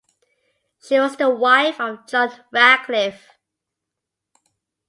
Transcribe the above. She was the wife of John Radcliffe.